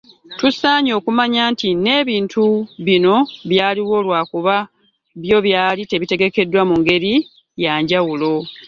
Tusaanye okumanya nti n’ebintu bino byaliwo lwakuba byo byali bitegekeddwa mu ngeri ya njawulo.